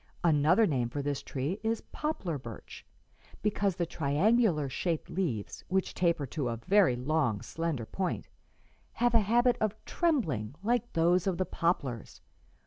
Another name for this tree is poplar birch, because the triangular shaped leaves, which taper to a very long, slender point, have a habit of trembling like those of the poplars.